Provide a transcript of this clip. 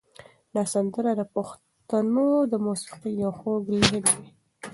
دا سندره د پښتنو د موسیقۍ یو خوږ لحن دی.